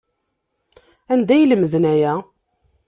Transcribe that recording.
Anda ay lemden aya?